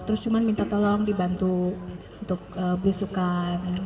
terus cuma minta tolong dibantu untuk berusukan